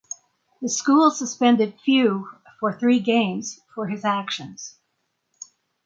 The school suspended Few for three games for his actions.